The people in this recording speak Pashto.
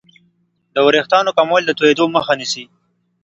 د وریښتانو کمول د توېدو مخه نه نیسي.